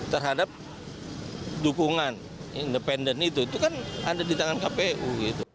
terhadap dukungan independen itu itu kan ada di tangan kpu